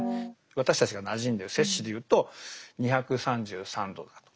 私たちがなじんでる摂氏でいうと２３３度だということですね。